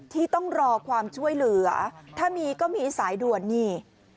ที่ต้องรอความช่วยเหลือถ้ามีก็มีสายด่วนนี่